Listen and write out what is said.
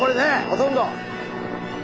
ほとんど。